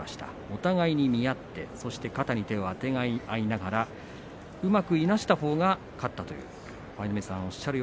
お互い見合って語り手をあてがいながらうまく逃がしたほうが勝ったという相撲でした。